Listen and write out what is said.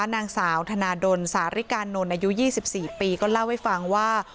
นางสาวธนาดลสาริกานนท์อายุ๒๔ปีก็เล่าให้ฟังว่า